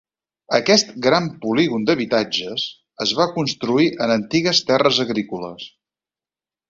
Aquest "gran polígon d'habitatges" es va construir en antigues terres agrícoles.